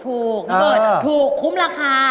นับเบิร์ดถูกคุ้มราคา